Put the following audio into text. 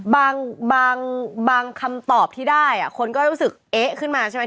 บางคำตอบที่ได้คนก็รู้สึกเอ๊ะขึ้นมาใช่ไหม